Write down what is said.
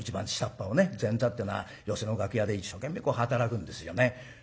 前座ってのは寄席の楽屋で一生懸命働くんですよね。